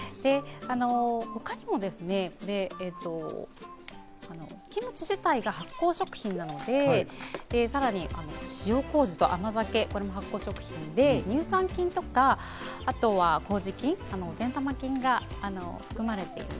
他にも、キムチ自体が発酵食品なので、さらに塩麹と甘酒、これも発酵食品で乳酸菌とか、あとは麹菌、善玉菌が含まれている。